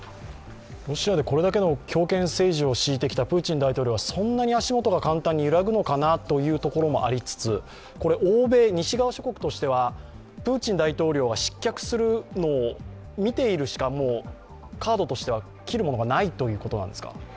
ロシアでこれだけの強権政治を敷いてきたプーチン大統領はそんなに足元が簡単に揺らぐのかなというところもありつつ欧米、西側諸国としてはプーチン大統領が失脚するのを見ているしかカードとしては切るものがないということなんですか？